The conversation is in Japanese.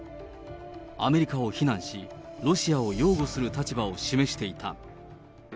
アメリカを非難し、ロシアを擁護する立場を示していた。